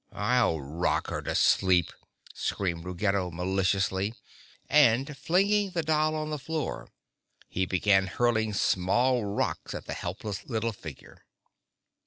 "I'll rock her to sleep," screamed Ruggedo, maliciously. And flinging the doll on the floor he began hurling small rocks at the helpless little figure.